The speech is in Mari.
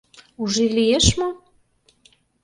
— «Уже» лиеш мо?